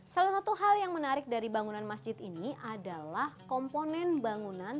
salah satu hal yang menarik dari bangunan masjid ini adalah komponen bangunan